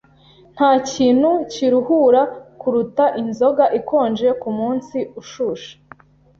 Ntakintu kiruhura kuruta inzoga ikonje kumunsi ushushe.